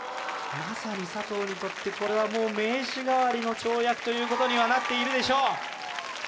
まさに佐藤にとってこれはもう名刺代わりの跳躍ということにはなっているでしょう